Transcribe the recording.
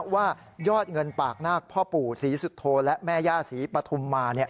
ว่ายอดเงินปากนาคพ่อปู่ศรีสุโธและแม่ย่าศรีปฐุมมา